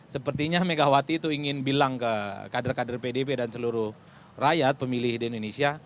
sepertinya megawati itu ingin bilang ke kader kader pdp dan seluruh rakyat pemilih di indonesia